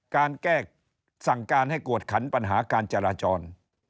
การแก้สั่งการให้กวดขันปัญหาการจราจร